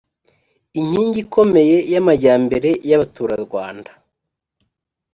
inkingi ikomeye y’ amajyambere y’ Abaturarwanda